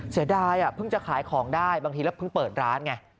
เสียดายเพิ่งจะขายของได้บางทีแล้วเพิ่งเปิดร้านไง